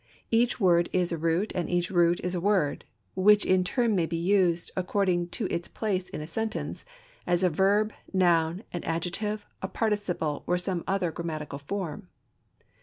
Each word is a root and each root is a word, which in turn may be used, according to its place in a sentence, as a verb, a noun, an adjective, a participle, or some other grammatical form.